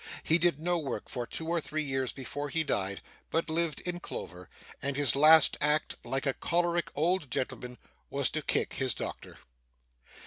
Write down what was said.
He did no work for two or three years before he died, but lived in clover; and his last act (like a choleric old gentleman) was to kick his doctor.